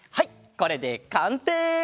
これでかんせい！